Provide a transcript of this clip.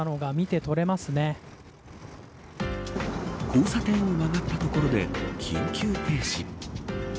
交差点を曲がった所で緊急停止。